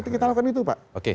kita lakukan itu pak